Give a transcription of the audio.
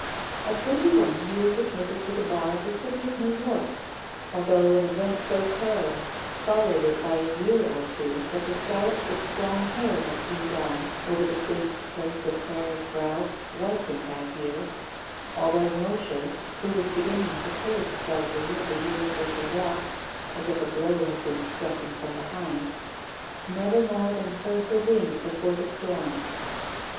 At twenty one he was admitted to the bar of the city of New York, althotigh an event so perilous followed it by a year or two that the scallops of strong hair that came down over the singed place of Sara's brow whitened that year; although Mosher, who was b^;inning to curve slightly of the years as he walked, as if a blow had been struck him from behind, never more than heard the wind before the storm.